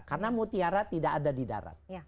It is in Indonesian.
karena mutiara tidak ada di darat